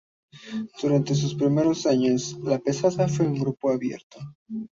Durante sus primeros años, "La Pesada" fue un grupo abierto.